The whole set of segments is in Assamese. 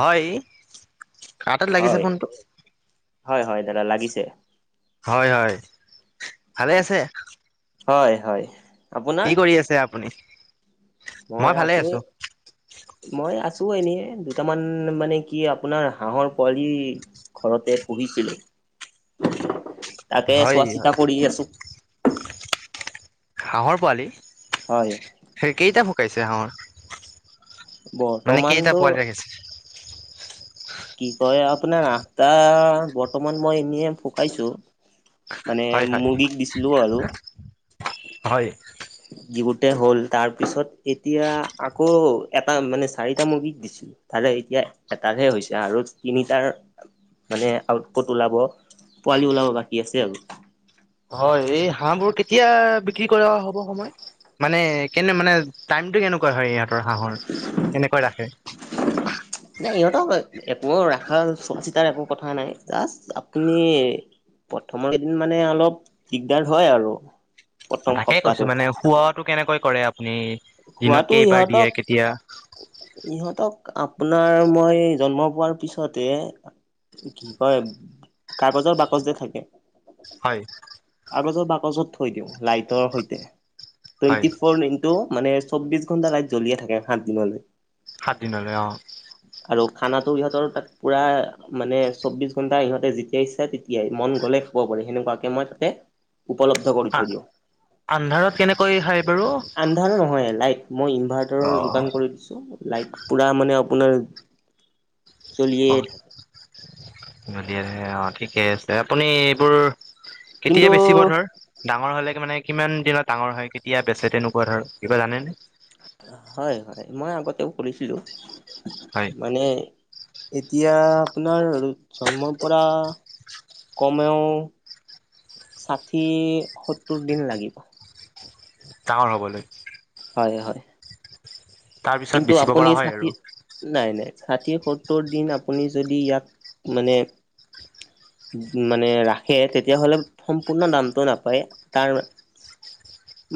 হয় হাতত লাগিছে হয়, ফোনটো হয় হয় দাদা লাগিছে হয় হয় ভালে আছে হয় হয় আপোনাৰ? কি কৰি আছে আপুনি? মই আছো মই আছো এনেই দুটামান মানে কি আপোনাৰ হাঁহৰ পোৱালি ঘৰতে পুহিছিলো [unintelligible] তাকে চোৱা চিতা হয় কৰি আছো হাঁহৰ পোৱালি হয় সেই কেইটা শুকাইছে হাঁহৰ মানে কেইটা বৰ্তমানতো পোৱালি ৰাখিছে কি কয় আপোনাৰ আঠতা বৰ্তমান মই এনে শুকাইছো মানে হয় হয় মুৰ্গীক দিছিলো আৰু হয় যিহুতে হ'ল তাৰ পিছত এতিয়া আকৌ এটা মানে চাৰিটা মুৰ্গীক দিছিলো তাৰে এতিয়া এটাৰহে হৈছে আৰু তিনিটাৰ মানে আউটপুট ওলাব পোৱালি ওলাব বাকী আছে আৰু হয় এই হাঁহবোৰ কেতিয়া বিক্ৰী কৰা হব সময়, মানে কেনে মানে টাইমতটো কেনেকুৱা হয় ইহঁতৰ হাঁহৰ কেনেকৈ ৰাখে। নাই ইহঁতক একো ৰাখা চোৱা চিতাৰ একো কথা নাই জাছ আপুনি, প্ৰথমৰ কেইদিন মানে অলপ দিগদাৰ হয় আৰু প্ৰথম তাকে কৈছো সপ্তাহটোত মানে শুৱাতটো কেনেকৈ কৰে আপুনি দিনত খোৱাটো কেই বাৰ ইহঁতক দিয়ে কেতিয়া, ইহঁতক আপোনাৰ মই জন্ম পোৱাৰ পিছতে, কি কয় কাগজৰ বাকচ যে থাকে। হয়। কাগৰ বাকছত থৈ দিওঁ লাইটৰ সৈতে হয় টুৱেন্টি ফৰ ইন টো মানে চৌবিশ ঘণ্টা লাইত জ্বলিয়ে থাকে সাত দিনলৈ। সাত দিনলৈ অ, আৰু খানাতো ইহঁতৰ তাত পুৰা মানে চৌবিশ ঘণ্টা ইহঁতে যেতিয়াই ইচ্ছা ইয়া মন গ'লে খাব পাৰে সেনেকুৱাকে মই তাতে, উপলব্ধ কৰি আ থৈ দিওঁ। আন্ধাৰত কেনেকৈ খাই বাৰু, আন্ধাৰ নহয় লাইট মই অ ইনভাৰ্টাৰৰ যোগান কৰি দিছোঁ লাইট পুৰা মানে আপোনাৰ। চলিয়ে অ থাকে অঁ ঠিকে আছে আপুনি এইবোৰ। কিন্তু কেতিয়াই বেচিব ধৰ, ডাঙৰ হলে মানে কিমান দিনত ডাঙৰ হয় কেতিয়া বেচে তেনেকুৱা ধৰ কিবা জানেনে। হয় হয় মই আগতেও কৰিছিলো। হয়। মানে এতিয়া আপোনাৰ জন্মৰ পৰা। কমেও ষাঠি সত্তৰ দিন লাগিব। ডাঙৰ হ'বলৈ। হয় হয়। তাৰপিছত কিন্তু বেচিব আপুনি পৰা হয় আৰু ষাঠি নাই নাই ষাঠি সত্তৰ দিন আপুনি যদি ইয়াক মানে, মানে ৰাখে তেতিয়াহলে সম্পূৰ্ণ দামতটো নাপায় তাৰ,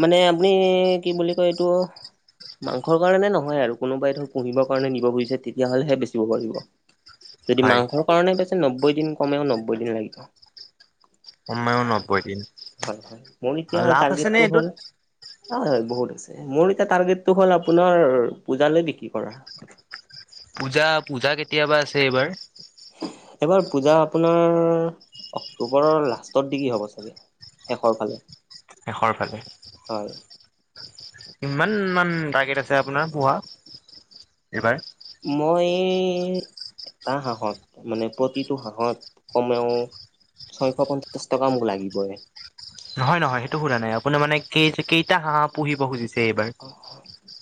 মানে আপুনি কি বুলি কয় এইটো মাংসৰ কাৰণে ন আৰু কোনোবাই ধৰ পুহিব কাৰণে নিব খুজিছে তেতিয়াহলেহে বেচিব পাৰিব যদি হয় মাংস কাৰণে পিছে নব্বৈ দিন কমেও নব্বৈ দিন লাগিব। কমেও নব্বৈ দিন হয় হয় মোৰ এতিয়া লাভ আছে নে তাৰগেতটো এইটোত হ'ল, হয় হয় বহুত আছে মোৰ এতিয়া টাৰ্গেটটো হল আপোনাৰ পূজালৈ বিক্ৰী কৰা। পূজা পূজা কেতিয়াবা আছে এইবাৰ। এইবাৰ পূজা আপোনাৰ অক্টোবৰৰ লাষ্টত দিগি হ'ব চাগে। শেষৰ ফালে। শেষৰ ফালে। হয়। কিমান মান টাৰ্গেট আছে আপোনাৰ পোহা এইবাৰ। মই, এটা হাঁহত মানে প্ৰতিটো হাঁহত কমেও, ছয়শ পঞ্চাশ টকা মোক লাগিব এ, নহয় নহয় সেইটো সোধা নাই আপুনাৰ মানে ক কেইটা হাঁহ পুহিব খুজিছে এইবাৰ।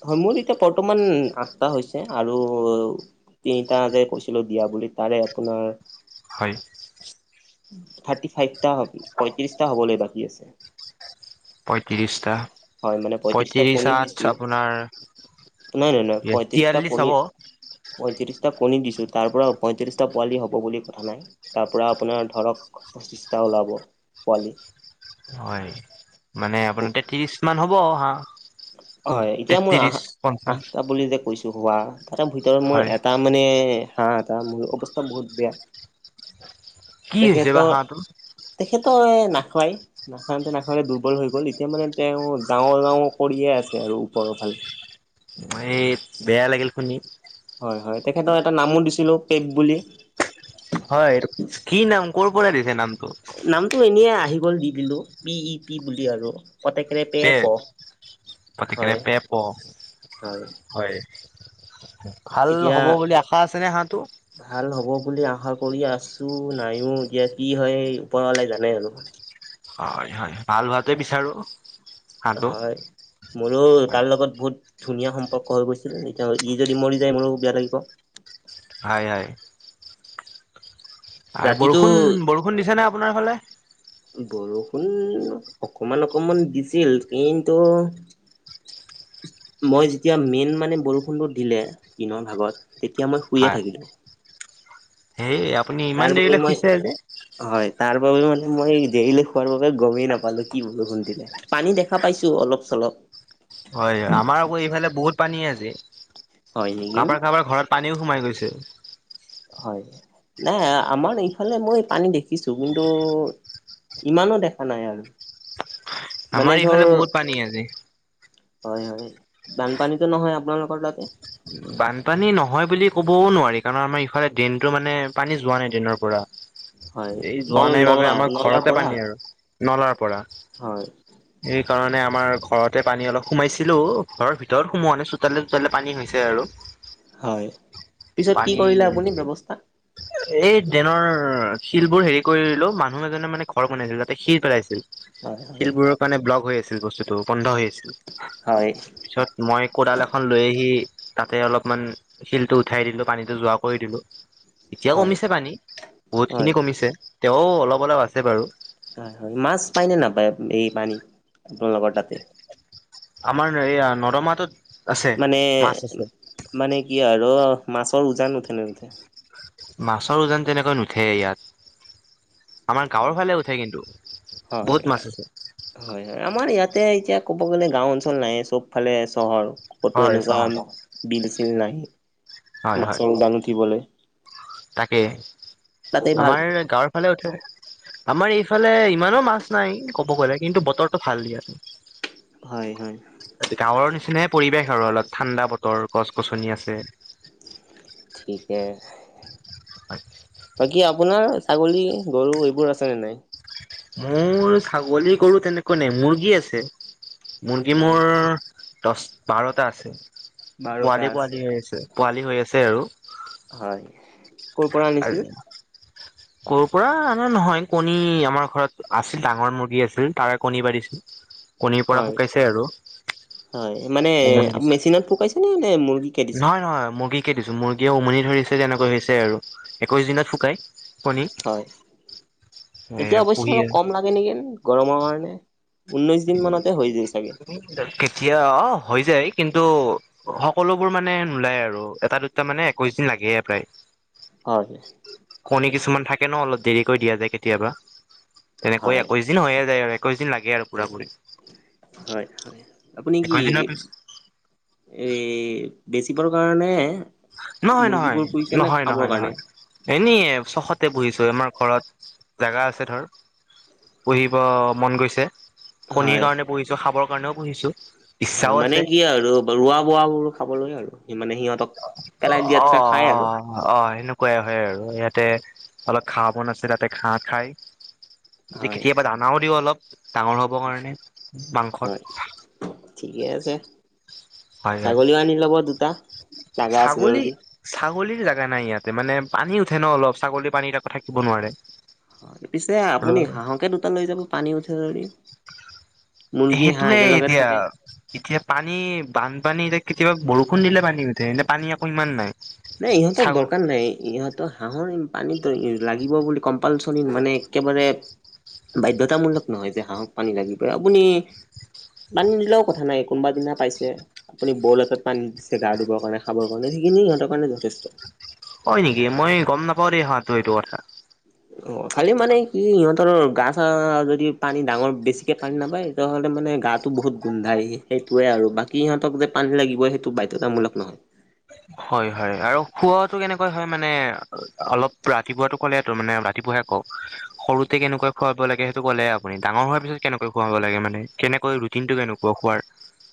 হয় মোৰ এতিয়া বৰ্তমান আঠটা হৈছে আৰু তিনিটা যে কৈছিলো দিয়া বুলি তাৰে আপোনাৰ। হয়। থাৰ্টি ফাইভটা হ পয়ত্ৰিশটা হ'বলৈ বাকী আছে। পঁয়ত্ৰিশটা হয় মানে পয়ত্ৰিশটা পঁয়ত্ৰিশ কণীৰ আঠ দিছো। আপোনাৰ নাই নাই নাই পইয়ত্ৰিশটা তিয়াল্লিশ কনী, হ'ব পঁয়ত্ৰিশটা কণী দিছোঁ তাৰ পৰা পঁয়ত্ৰিছটা পোৱালি হ'ব বুলি কথা নাই। তাৰ পৰা আপোনাৰ ধৰক পঁচিছটা ওলাব পোৱালি। হয়, মানে আপোনাৰ তে ত্ৰিশ মান হ'ব হাঁহ। হয় এতিয়া মোৰ তেত্ৰিশ আ পঞ্চল্লিশ আঠটা বুলি যে কৈছো হোৱা তাৰে ভিতৰত মোৰ হয়। এটা মানে হাহ এটা মোৰ অৱস্থা বহুত বেয়া। কি হৈছে বা তেখেতৰ হাঁহটো তেখেতে নাখয়। নাখাওঁতে নাখাওঁতে দুৰ্বল হৈ গল এতিয়া মানে তেওঁ যাওঁ যাওঁ কৰিয়ে আছে আৰু ওপৰৰ ফালে। হেই বেয়া লাগিল শুনি। হয় হয় তেখেতক এটা নামো দিছিলো পেপ বুলি। হয় কি নাম কৰ পৰা দিছে নামটো? টো এনেই আহি গ'ল দি দিলো পি ই পি বুলি আৰু। পত একাৰে পে প পেপ পতিকৰে হয় পেপ হয়। হয় ভাল এতিয়া হ'ব বুলি আশা আছে নে হাঁহটো? ভাল হ'ব বুলি আশা কৰি আছো নাইও এতিয়া কি হয় ওপৰৱালাই জানে আৰু। হয় হয় ভাল হোৱাটোৱে বিচাৰোঁ। হয়। মোৰো তাৰ লগত বহুত ধুনীয়া সম্পৰ্ক হৈ গৈছিল। এতিয়া ই যদি মৰি যায় মোৰো বেয়া লাগিব। হয় হয়। আৰু ৰাতিটো বৰষুণ, বৰষুণ দিছে না আপনাৰ ফালে। বৰষুণ অকমান অকমান দিছিল কিন্তু মই যেতিয়া মেইন মানে বৰষুণটো দিলে, দিনৰ ভাগত তেতিয়া মই শুইয়ে হয় থাকিলোঁ। হেই আপুনি তাৰ ইমান বাবে দেৰিলে মই শুইছে আজি? হয় তাৰ বাবে মানে মই দেৰিলৈ শুৱাৰ বাবে গমেই নাপালো কি বৰষুণ দিলে। পানী দেখা পাইছো অলপ চলপ। হয় হয় আমাৰ আকৌ এইফালে বহুত পানী আছে হয় নেকি কাৰোবাৰ কাৰোবাৰ ঘৰত পানীও সোমাই গৈছে। হয় নাই আমাৰ ইফালে মই পানী দেখিছো কিন্তু ইমানো দেখা নাই আৰু আমাৰ মানে এইফালে ধৰ বহুত পানী আজি হয় হয়, বানপানীটো নহয় আপোনালোকৰ তাতে? বানপানী নহয় বুলি ক'বও নোৱাৰি, কাৰণ আমাৰ ইফালে ডেনতো মানে পানী যোৱা নাই ড্ৰেইনৰ পৰা। হয় [inaudible] এই যোৱা নল নাই বাবে নলা আমাৰ নলাৰ ঘৰতে পৰা পানী আৰু নলাৰ পৰা। হয় সেইকাৰণে আমাৰ ঘৰতে পানী অলপ সোমাইছিলো, ঘৰৰ ভিতৰত সোমোৱা নাই, চোতালে চোতালে পানী হৈছে আৰু। হয়। পিছত কি পানী কৰিলে আপুনি ব্যৱস্থা? এই ড্ৰেনৰ শিলবোৰ হেৰি কৰিলো। মানুহ এজনে মানে ঘৰ বনাইছিল, তাতে শিল পেলাইছিল। হয় হয় শিলবোৰৰ কাৰণে ব্লক হৈ আছিল বস্তুটো, বন্ধ হৈ আছিল হয় তাৰপিছত মই কোডাল এখন লৈ আহি তাতে অলপমান শিলটো উঠাই দিলো, পানীটো যোৱা কৰি দিলো। এতিয়া হয় কমিছে পানী, হয় বহুতখিনি কমিছে। তেও অলপ অলপ আছে বাৰু। হয় হয় মাছ পায় নে নাপায় এই পানীত আপোনালোকৰ তাতে? আমাৰ এইয়া নৰ্দমাটোত আছে মানে মাছ আছে মানে কি আৰু মাছৰ উজান উঠেনে নুঠে? মাছৰ উজান তেনেকৈ নুঠে ইয়াত। আমাৰ গাঁৱৰ ফালে উঠে কিন্তু হয় বহুত মাছ আছে। হয় হয় আমাৰ ইয়াতে এতিয়া ক'ব গ'লে গাওঁ অঞ্চল নাই এ চব ফালে চহৰ। ক'তো হয় এনেকুৱা চহৰ বিল চিল নাই, মাছৰ উজান উঠিবলৈ। তাকেই তাতে ভাল। আমাৰ গাঁৱৰ ফালে উঠে। আমাৰ এইফালে ইমানো মাছ নাই ক'ব গ'লে কিন্তু বতৰটো ভাল দিয়া। হয় হয়। এ গাঁৱৰ নিচিনাই পৰিৱেশ আৰু অলপ ঠাণ্ডা বতৰ গছ-গছনি আছে ', ঠিকে, বাকী আপ', আপোনাৰ ছাগলী - গৰু এইবোৰ আছেনে নাই? মোৰ ছাগলী - গৰু তেনেকুৱা নাই, মুৰ্গী আছে, মুৰ্গী উম মোৰ', দহ, বাৰটা আছে, পোৱালি - পোৱালি হৈ আছে, পোৱালি হৈ আছে আৰু ', হয়, ক'ৰ পৰা আনিছিল? ক'ৰ পৰা আনা নহয়, কণী আমাৰ ঘৰত আছিল, ডাঙৰ মুৰ্গী আছিল, তাৰে কণী পাৰ দিছিল', [unintelligible] হয়, হয় মানে উমনি দিছে মেচিনত ফুটাইছিল নে মূৰ্গী? নহয় - নহয়, মুৰ্গী কে দিছোঁ, মুৰ্গীয়েও উমনি ধৰিছে তেনেকৈ হৈছে আৰু, একৈশ দিনত ফুটাই', হয়, এ এতিয়া অৱশ্যে পুহি অলপ কম লাগ', এনেকে, গৰমৰ কাৰণে, ঊনৈশ দিন মানতে হৈ যায় চাগে', উম', কেতিয়া অ', হৈ যায় কিন্তু', সকলোবোৰ মানে নোলায় আৰু, এটা - দুটা মানে একৈশ দিন লাগে প্ৰায়', হয়', কণী কিছুমান থাকে ন অলপ দেৰিকৈ দিয়ে যায় কেতিয়াবা', তেনেকৈ একৈশ দিন হৈয়ে যায় আৰু একৈশ দিন লাগে আৰু', পুৰা পুৰি হয়-হয় আপুনি কি? একৈশ দিনৰ পিছত এই, বেচিবৰ কাৰণে? নহয় - নহয়, মুৰ্গীবোৰ পুহিছে নে নহয় - খাবৰ নহয় - কাৰণে নহয়', এনেই চখতে পুঁহিছো আমাৰ ঘৰত, জেগা আছে ধৰ', পুঁহিব মন গৈছে, কণীৰ হয় কাৰণে পুঁহিছো, খাবৰ কাৰণেও পুঁহিছো', হয়, মানে কি আৰু ৰোৱা - বোৱা - বোৰ খাবলৈ আৰু মানে সিহঁতক', অ', পেলাই -অ', -অ', দিয়াতছে খাই আৰু -অহ', অ', - অ', সেনেকুৱাই হয় আৰু ইয়াতে, অলপ ঘাঁহ বন আছে তাতে ঘাঁহ খাই', এ কে', হয় -কেতিয়াবা দানাও দিওঁ অলপ, ডাঙৰ হ'বৰ কাৰণে, উম', মাংসৰ', হয় ঠিকে আছে, হয় হয় ছাগলীও আনি ল'ব দুটা', জাগা আছে ছাগলী? যদি ছাগলীৰ জেগা নাই ইয়াতে মানে পানী উঠে ন অলপ ছাগলী পানীত আকৌ থাকিব নোৱাৰে', অহ', পিছে আৰু আপুনি হাঁহকে দুটা লৈ যাব পানী উঠে যদি', মুৰ্গী - হাঁহ সেইটোয়ে একেলগে এতিয়া থাকে', এতিয়া পানী বানপানী এতিয়া কেতিয়াবা বৰষুণ দিলে পানী উঠে এনে পানী আকৌ ইমান নাই', নাই, ইহঁতক চাগ দৰকাৰ নাই, ই', - ইহঁত', ত, হাঁহৰ এই পানীটো ই লাগিব বুলি কম্পালচৰি মানে একেবাৰে', বাধ্যতামূলক নহ'য় যে হাঁহক পানী লাগিবই, আপুনি', পানী নিদিলেও কথা নাই, কোনোবা দিনা পাইছে', আপুনি বল এটাত পানী দিছে গা ধুব কাৰণে, খাবৰ কাৰণে সেইখিনি সিহঁতৰ কাৰণে যথেষ্ট', হয় নেকি? মই গম নাপাওঁ দেই হাঁহটো এইটো কথা', অহ', খালি মানে কি সিহঁতৰ গা-চা যদি পানী ডাঙৰ বেছিকে পানী নাপায়', তেতিয়াহ'লে মানে গাটো বহুত গোন্ধায় এই সেইটোৱে আৰু, বাকী সিহঁতক যে পানী লাগিবই সেইটো বাধ্যতামূলক নহয়', হয়', - হয়', আৰু খোৱাটো কেনেকুৱা হয় মানে, অ', অলপ ৰাতিপুৱাটো ক'লেটো মানে ৰাতিপুৱাহে কওঁ', সৰুতে কেনেকুৱা খোৱাব লাগে সেইটো ক'লে আপুনি, ডাঙৰ হোৱাৰ পিছত কেনেকৈ খোৱাব লাগে মানে, কেনেকৈ ৰু', ৰুটিনটো কেনেকুৱা খোৱাৰ?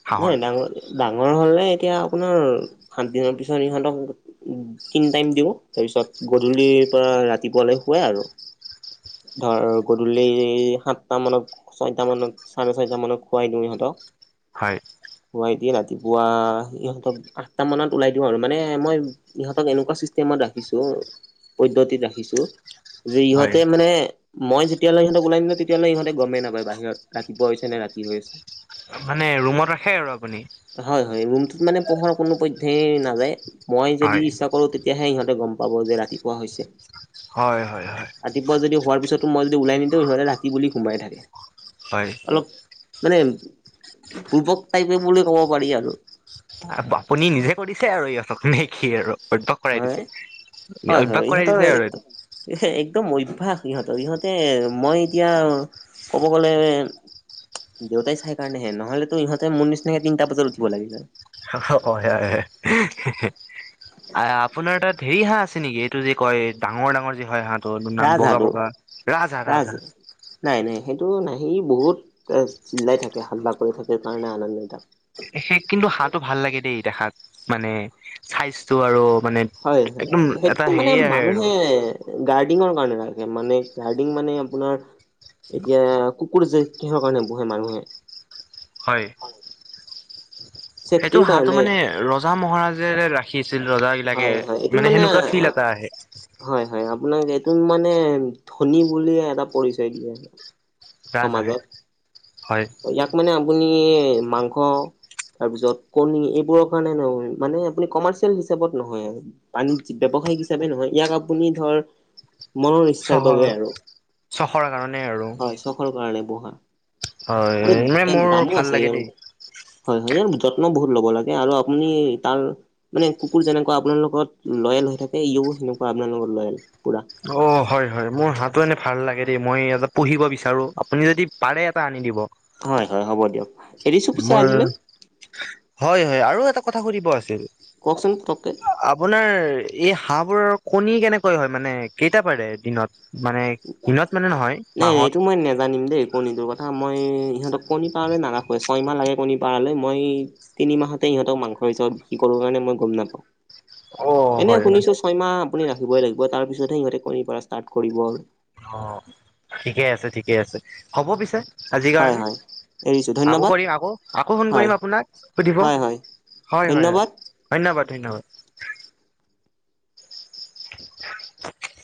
হাঁহৰ এনেই ডাঙৰ, ডাঙৰ হ'লে এতিয়া আপোনাৰ সাত দিনৰ পিছত ইহঁতক', উম', তিন টাইম দিওঁ, তাৰপিছত গধূলিৰ পৰা ৰাতিপুৱালৈ শুৱেই আৰু', ধৰ গধূলি এ সাতটা মানত', ছয়টা মানত, চাৰে ছয়টা মানত খোৱাই দিওঁ ইহঁতক', হয়', শুৱাই দিয়ে, ৰাতিপুৱা ইহঁতক আঠটা মানত ওলাই দিওঁ আৰু মানে মই', ইহঁতক এনেকুৱা ছিষ্টেমত ৰাখিছোঁ, পদ্ধতিত ৰাখিছোঁ', যি হয় ইহঁতে মানে মই যেতিয়ালৈ ইহঁতক ওলাই নিদিও তেতিয়ালৈ ইহঁতে গমে নাপাই বাহিৰত ৰাতিপুৱা হৈছে নে ৰাতি হৈ আছে। মানে, ৰুমত ৰাখে আৰু আপুনি। হ'য়, হ'য় ৰুমটোত মানে পোহৰ কোনো পধ্যেই নাযায়। মই যদি হয় ইচ্ছা কৰোঁ তেত তিয়াহে সিহঁতে গমপাব যে ৰাতিপুৱা হৈছে। হয়, হয়, হয়। ৰাতিপুৱা যদি হোৱাৰ পিছতো মই যদি ওলাই নিদিওঁ সিহঁতে ৰাতি বুলি সোমাই থাকে। হয়। অলপ মানে বুৰ্বক টাইপে বুলি ক'ব পাৰি আৰু। আপ আপুনি নিজে কৰিছে আৰু ইহঁতক নে কি আৰু বুৰ্বক কৰাই হয় দিছে? নে অভ্যাস কৰাই দিছে আৰু এইটো? এহ একদম অভ্যাস ইহঁতৰ ইহঁতে মই এতিয়া ক'ব গ'লে দেউতাই চাই কাৰণেহে। নহ'লেটো ইহঁতে মোৰ নিচিনাকে তিনটা বজাত উঠিব লাগিলে হা হা অ সেয়াহে। হেঁহ হেঁহ আঁ আপোনাৰ তাত ধেৰি হাঁহ আছে নেকি? টো যি কয়? ডাঙৰ ডাঙৰ যে হ'য় হাঁহটো নাম ৰাজ বগা হালো বগা ৰাজহাঁহ ৰাজ ৰাজহাঁহ। নাই নাই সেইটো নাই সি বহুত আঁ চিল্লাই থাকে, হাল্লা কৰি থাকে কাৰণে আনা তাক। হে কিন্তু হাঁহটো ভাল লাগে দেই দেখাত। মানে চাইজটো আৰু মানে হয়, হয় একদম এটা সেইটো মানে হেৰি আহে আৰু মানুহে গাডিংঙৰ কাৰণে ৰাখে মানে গাডিং মানে আপোনাৰ এতিয়া। কুকুৰ যে কিহৰ কাৰণে পোহে মানুহে। হয়। হয় সেইটো হাঁহটো মানে ৰজ ৰজা-মহাৰাজে যে ৰাখিছিল ৰজাবিলাকে হয় হয় এইটো মানে, সেনেকুৱা ফিল এটা আহে। হয়, হয় আপোনাক এইটো মানে ধনী বুলি এটা পৰিচয় দিয়ে ৰাজহাঁহে সমাজত। হয় ইয়াক মানে আপুনি মাংস তাৰপিছত কণী এইবোৰৰ কাৰণে নহয়। মানে আপুনি কমাৰ্চিয়েল হিচাপত নহয় আৰু। বাণিজ্যিক ব্যৱসায়িক হিচাপে নহয় ইয়াক আপুনি ধৰ মনৰ ইচ্ছাৰ বাবে আৰু। চখৰা কাৰণে আৰু। হয় চখৰ কাৰণে বহা হয় আৰু মানে এ মোৰ দামো ভাল আছে লাগে ইয়াৰ দেই। হয়, হয় ইয়াৰ যত্ন বহুত ল'ব লাগে আৰু আপুনি তাৰ। মানে কুকুৰ যেনেকুৱা আপোনাৰ লগত লয়েল হৈ থাকে ইও সেনেকুৱা আপোনাৰ লগত লয়েল পুৰা। অ হয়, হয় মোৰ হাঁহটো এনে ভাল লাগে দেই মই ইয়াতে পুহিব বিচাৰো আপুনি যদি পাৰে এটা আনি দিব। হয়, হয় হ'ব দিয়ক এৰিছো পিছে মোৰ আজিলৈ। হয়, হয় আৰু এটা কথা সুধিব আছিল। কওকচোন ফতককে। আপোনাৰ এই হাঁহবোৰৰ কণী কেনেকৈ হয়, মানে। কেইটা পাৰে দিনত মানে দিনত মানে নহয়। নাই, নাই মাহত। এইটো মই নাজানি দেই কণীটোৰ ক থা মই সিহঁতক কণী পাৰে নাৰাখোৱে ছয়মাহ লাগে কণী পাৰলৈ মই। তিনি মাহতে ইহঁতক মাংস হিচাপত বিক্ৰী কৰো কাৰণ মই গম নাপাওঁ। অ' এনে হয় হয়। শুনিছোঁ ছয়মাহ আপুনি ৰাখিবই লাগিব। তাৰ পিছতহে সিহঁতে কণী পৰা ষ্টাৰ্ট কৰিব আৰু। অ ঠিকে আছে, ঠিকে আছে হ'ব পিছে। আজিৰ হয় কাৰণে হয় এৰিছো আকৌ ধন্যবাদ কৰিম আকৌ আকৌ ফোন হয় কৰিম আপোনাক সুধিব। হয়, হয়, হয়, ধন্যবাদ। ধন্যবাদ, ধন্যবাদ। [unintelligible]